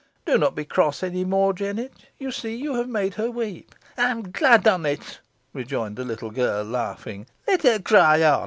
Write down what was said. "Do not be cross any more, Jennet. You see you have made her weep." "Ey'm glad on it," rejoined the little girl, laughing; "let her cry on.